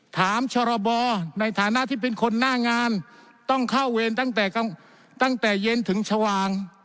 ชรบในฐานะที่เป็นคนหน้างานต้องเข้าเวรตั้งแต่ตั้งแต่เย็นถึงชวาง